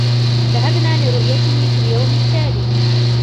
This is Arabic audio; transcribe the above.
ذهبنا لرؤيته في اليوم التّالي.